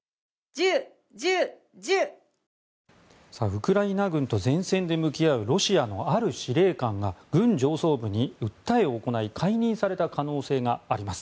ウクライナ軍と前線で向き合うロシアのある司令官が軍上層部に訴えを行い解任された可能性があります。